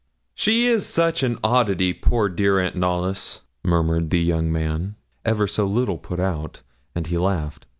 'She is such an oddity, poor dear Aunt Knollys,' murmured the young man, ever so little put out, and he laughed.